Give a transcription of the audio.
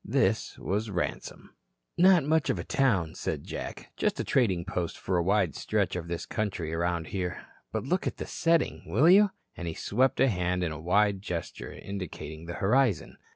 This was Ransome. "Not much of a town," said Jack, "just a trading post for a wide stretch of this country around here. But look at the setting, will you?" And he swept a hand in a wide gesture indicating the horizon.